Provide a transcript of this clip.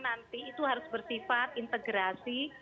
nanti itu harus bersifat integrasi